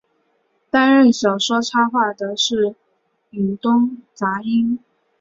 担任小说插画的是伊东杂音。